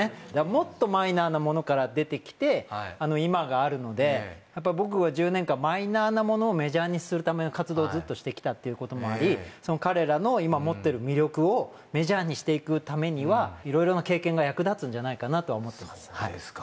もっとマイナーなものから出てきて今があるので僕は１０年間マイナーなものをメジャーにするための活動をずっとしてきたっていうこともあり彼らの今持ってる魅力をメジャーにしていくためにはいろいろな経験が役立つんじゃないかなとは思ってます